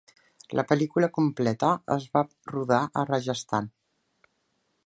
La pel·lícula completa es va rodar a Rajasthan.